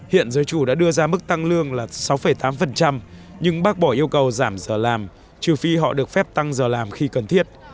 hiện giới chủ đã đưa ra mức tăng lương là sáu tám nhưng bác bỏ yêu cầu giảm giờ làm trừ phi họ được phép tăng giờ làm khi cần thiết